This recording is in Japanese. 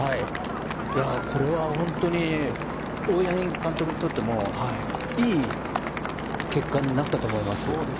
これは本当に大八木監督にとってもいい結果になったと思います。